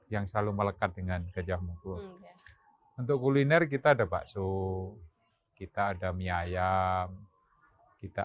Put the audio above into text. yang selalu melekat dengan gajah mungkul untuk kuliner kita ada bakso kita ada mie ayam kita